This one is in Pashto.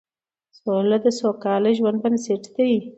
سوله د سوکاله ژوند بنسټ دی